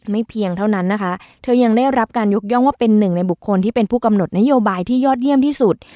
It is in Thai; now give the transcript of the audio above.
เพียงเท่านั้นนะคะเธอยังได้รับการยกย่องว่าเป็นหนึ่งในบุคคลที่เป็นผู้กำหนดนโยบายที่ยอดเยี่ยมที่สุด